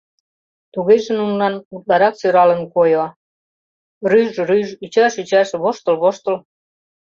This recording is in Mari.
Тугеже нунылан утларак сӧралын койо: рӱж-рӱж, ӱчаш-ӱчаш, воштыл-воштыл.